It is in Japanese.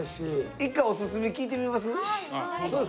一回おすすめ聞いてみます？